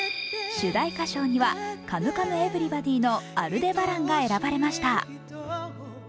主題歌賞には「カムカムエヴリバディ」の「アルデバラン」が選ばれました。